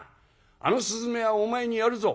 あの雀はお前にやるぞ」。